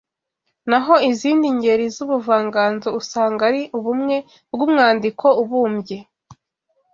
Naho izindi ngeri z’ubuvanganzo usanga ari ubumwe bw’umwandiko ubumbye